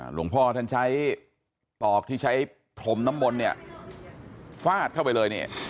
หลวงพ่อท่านใช้ตอกที่ใช้พรมน้ำมนต์เนี่ยฟาดเข้าไปเลยเนี่ย